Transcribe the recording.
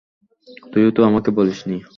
তুইও তো আমাকে বলিস নি।